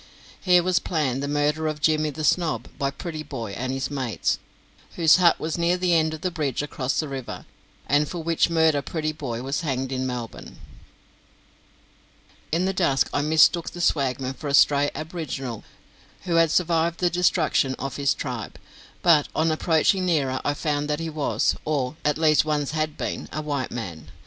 Here was planned the murder of Jimmy the Snob by Prettyboy and his mates, whose hut was near the end of the bridge across the river, and for which murder Prettyboy was hanged in Melbourne. In the dusk I mistook the swagman for a stray aboriginal who had survived the destruction of his tribe, but on approaching nearer, I found that he was, or at least once had been, a white man.